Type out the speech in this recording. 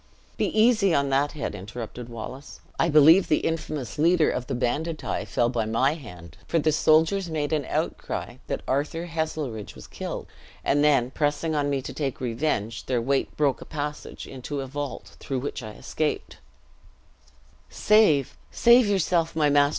"Be easy on that head," interrupted Wallace: "I believe the infamous leader of the banditti fell by my hand, for the soldiers made an outcry that Arthur Heselrigge was killed; and then pressing on me to take revenge, their weight broke a passage into a vault, through which I escaped " "Save, save yourself, my master!"